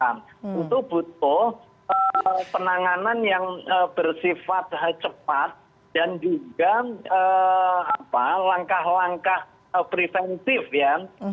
itu butuh penanganan yang bersifat cepat dan juga langkah langkah preventif ya